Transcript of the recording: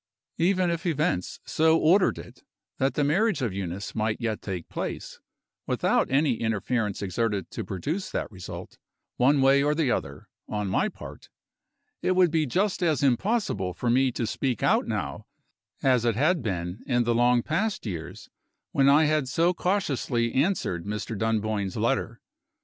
Even if events so ordered it that the marriage of Eunice might yet take place without any interference exerted to produce that result, one way or the other, on my part it would be just as impossible for me to speak out now, as it had been in the long past years when I had so cautiously answered Mr. Dunboyne's letter.